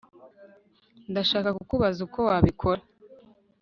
Ndashaka kukubaza uko wabikora